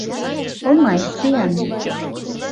оҥай сӱан